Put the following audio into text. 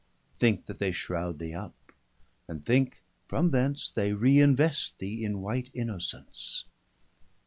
Thinke that they shroud thee up, and think from thence They reinvest thee in white innocence.